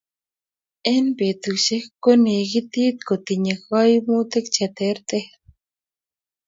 Eng betusiek konekitit kokitinye kaimutik che terter